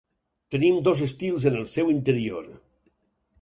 Tenim dos estils en el seu interior.